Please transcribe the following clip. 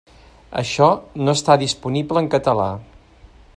Això no està disponible en català.